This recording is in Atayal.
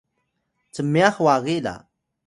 cmyax wagi la!